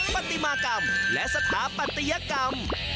ปฏิมากรรมและสถาปัตยกรรม